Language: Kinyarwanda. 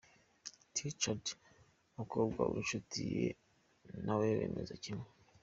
T Richards n'umukobwa w'inshuti ye na we bameze kimwe.